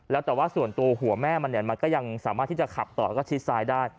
แล้วแต่ว่าส่วนตัวหัวแม่มันเนี่ยมันก็ยังสามารถที่จะขับต่อแล้วก็ชิดซ้ายได้